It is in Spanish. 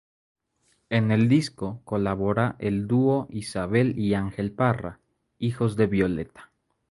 En el disco colabora el dúo Isabel y Ángel Parra, hijos de Violeta.